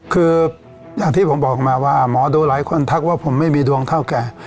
คืออย่างที่ผมบอกมาว่าหมอดูหลายคนทักว่าผมไม่มีดวงเท่าแก